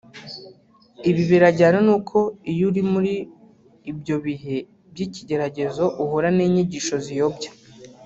Ibi birajyana nuko iyo uri muri ibyo bihe by’ikigeragezo uhura n’inyigisho ziyobya